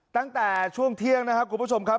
ตั้งแต่ช่วงเที่ยงนะครับคุณผู้ชมครับ